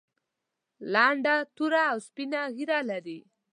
لنډه توره او سپینه ږیره لري.